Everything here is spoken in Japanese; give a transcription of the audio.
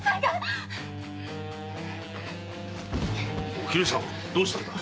お絹さんどうしたんだ。